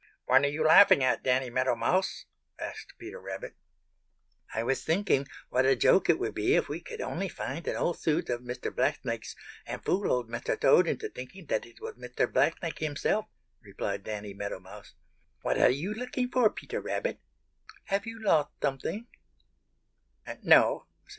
"What are you laughing at, Danny Meadow Mouse?" asked Peter Rabbit. "I was thinking what a joke it would be if we could only find an old suit of Mr. Blacksnake's and fool old Mr. Toad into thinking that it was Mr. Blacksnake himself," replied Danny Meadow Mouse. "What are you looking for, Peter Rabbit? Have you lost something?"